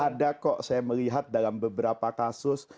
ada kok saya melihat dalam beberapa kasus